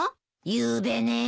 ゆうべね。